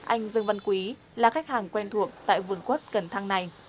anh dương văn quý là khách hàng quen thuộc tại vườn quất cần thăng này